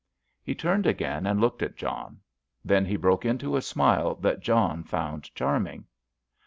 He turned again and looked at John. Then he broke into a smile that John found charming.